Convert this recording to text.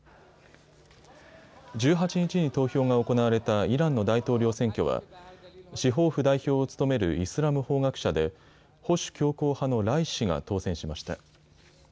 １８日に投票が行われたイランの大統領選挙は司法府代表を務めるイスラム法学者で保守強硬派のライシ師が当選しました。